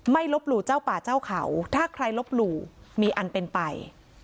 ลบหลู่เจ้าป่าเจ้าเขาถ้าใครลบหลู่มีอันเป็นไป